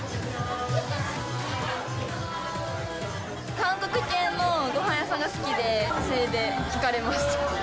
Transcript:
韓国系のごはん屋さんが好きで、それで惹かれました。